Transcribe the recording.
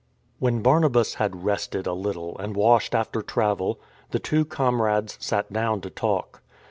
When Barnabas had rested a little and washed after travel, the two comrades sat down to talk.